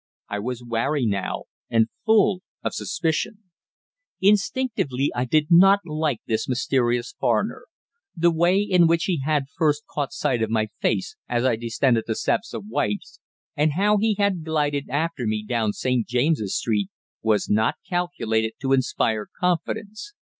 I was wary now, and full of suspicion. Instinctively I did not like this mysterious foreigner. The way in which he had first caught sight of my face as I descended the steps of White's, and how he had glided after me down St. James's Street, was not calculated to inspire confidence.